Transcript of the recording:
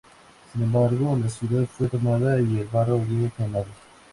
Sin embargo, la ciudad fue tomada y el barrio griego quemado.